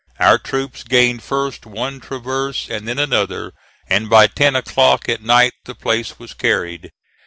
Our troops gained first one traverse and then another, and by 10 o'clock at night the place was carried.